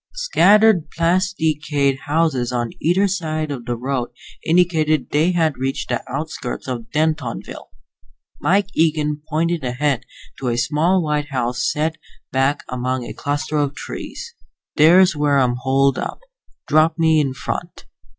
Scattered plasticade houses on either side of the road indicated they had reached the outskirts of Dentonville. Mike Eagen pointed ahead to a small white house set back among a cluster of trees. "There's where I'm holed up. Drop me off in front."